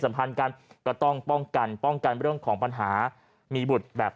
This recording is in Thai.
สำคัญกันก็ต้องป้องกันป้องกันเรื่องของปัญหามีบุตรแบบ